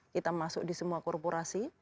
kita masuk di semua korporasi